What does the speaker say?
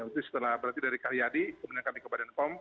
nanti setelah berarti dari karyadi kemudian kami ke badan pom